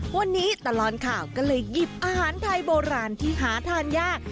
วันนี้ตลอดข่าวก็เลยหยิบอาหารไทยโบราณที่หาทานยาก